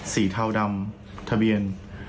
เทาดำทะเบียน